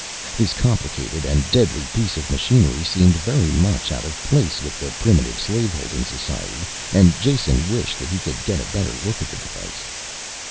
This complicated and deadly piece of machinery seemed very much out of place with the primitive slave holding society, and Jason wished that he could get a better look at the device.